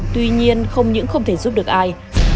tuy nhiên không những không thể giúp được ai